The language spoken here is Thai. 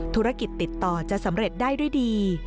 ธุรกิจติดต่อจะสำเร็จได้ด้วยดี